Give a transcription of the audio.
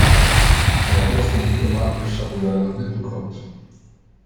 Einer muss den Diplomaten beschatten, wenn er nach Witten kommt.